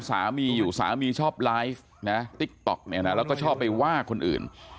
สามีอยู่สามีชอบไลฟ์นะติ๊กต๊อกเนี่ยนะแล้วก็ชอบไปว่าคนอื่น